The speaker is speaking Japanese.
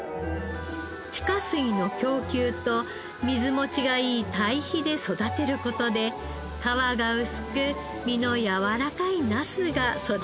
地下水の供給と水持ちがいい堆肥で育てる事で皮が薄く実のやわらかいナスが育つそうです。